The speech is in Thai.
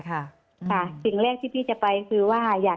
เข้าใจค่ะ